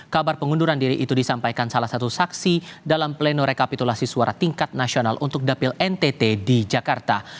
kabar pengunduran diri itu disampaikan salah satu saksi dalam pleno rekapitulasi suara tingkat nasional untuk dapil ntt di jakarta